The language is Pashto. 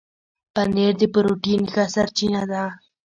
پنېر د پروټين ښه سرچینه ده.